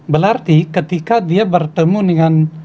berarti ketika dia bertemu dengan